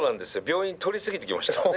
病院通り過ぎてきましたからね。